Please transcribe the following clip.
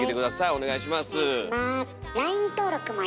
お願いいたします。